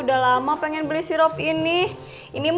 anja enggak tahu kong